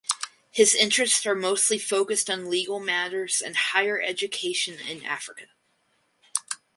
His interest are mostly focused on legal matters and higher education in Africa.